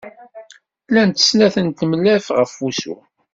Llant snat n tlemlaf ɣef wusu.